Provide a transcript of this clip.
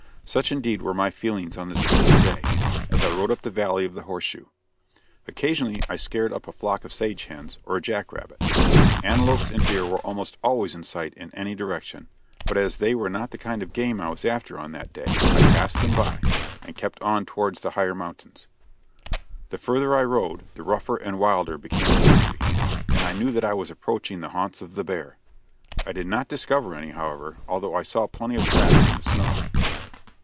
Such indeed were my feelings on this beautiful day, as I rode up the valley of the Horseshoe. Occasionally I scared up a flock of sage hens or a jack rabbit. Antelopes and deer were almost always in sight in any direction, but as they were not the kind of game I was after, on that day, I passed them by, and kept on towards the higher mountains. The further I rode the rougher and wilder became the country, and I knew that I was approaching the haunts of the bear. I did not discover any, however, although I saw plenty of tracks in the snow.